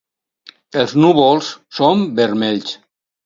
Els núvols són vermells.